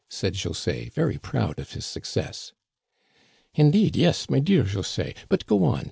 " said José, very proud of his success. " Indeed, yes, my dear José ; but go on.